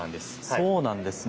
そうなんですね。